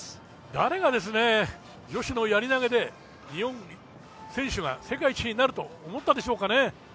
誰が女子のやり投で日本選手がトップになると思ったでしょうかね。